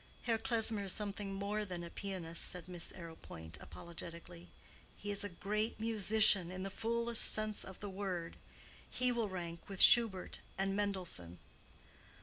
"Herr Klesmer is something more than a pianist," said Miss Arrowpoint, apologetically. "He is a great musician in the fullest sense of the word. He will rank with Schubert and Mendelssohn."